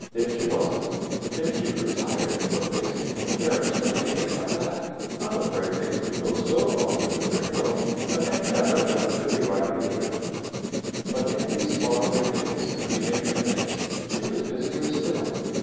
If she wasn't, if she grew tired or lazy or careless or anything like that, I am afraid things would go so wrong with the Great World that they never, never could be righted again. "But in these far away days in the beginning of things she was busier still.